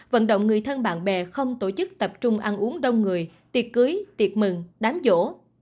vận động người thân bạn bè không tổ chức tập trung ăn uống đông người tiệc cưới tiệc mừng đám vỗ